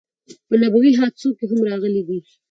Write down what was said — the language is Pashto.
په نبوی حادثو کی هم راغلی دی